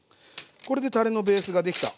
これでたれのベースが出来た。